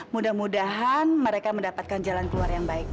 mudah mudahan mereka mendapatkan jalan keluar yang baik